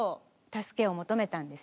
助けを求めたんですよ。